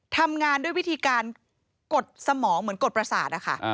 ทำงานด้วยวิธีการกดสมองเหมือนกดประสาทนะคะ